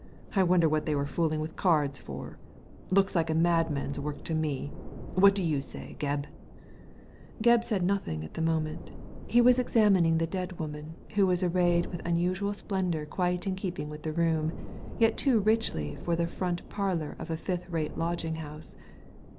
I wonder what they were fooling with cards for ? Looks like a mad man's work to me. What do you say, Gebb ?": Gebb said nothing at the moment He was examining the dead woman, who was arrayed with unusual splendour quite in keeping with the room, yet too richly for the front parlour of a fifth rate lodging house.